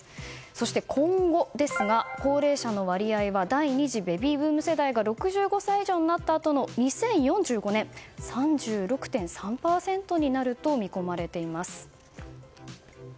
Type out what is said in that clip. そして今後ですが高齢者の割合は第２次ベビーブーム世代が６５歳以上になったあとの２０４５年、３６．３％になると見込まれています。